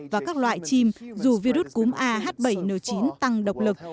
và các loại chim dù virus cúm ah bảy n chín tăng độc lực